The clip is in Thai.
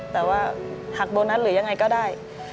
แต่ว่าหักโบนัสหรือยังไงก็ได้